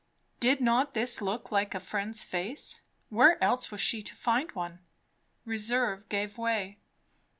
Did not this look like a friend's face? Where else was she to find one? Reserve gave way.